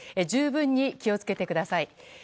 十分に気を付けてください。